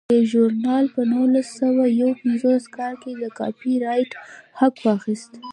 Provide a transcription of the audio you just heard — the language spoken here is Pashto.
دې ژورنال په نولس سوه یو پنځوس کال کې د کاپي رایټ حق واخیست.